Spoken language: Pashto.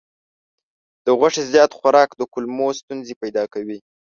د غوښې زیات خوراک د کولمو ستونزې پیدا کوي.